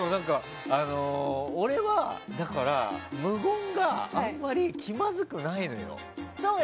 俺は、無言があんまり気まずくないのよ。